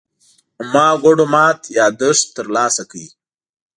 ما ګوډو مات يادښت ترلاسه کړ.